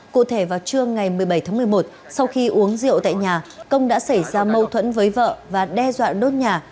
cụ thể vào trưa ngày một mươi bảy tháng một mươi một sau khi uống rượu tại nhà công đã xảy ra mâu thuẫn với vợ và đe dọa đốt nhà